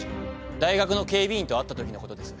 大学の警備員と会ったときのことです。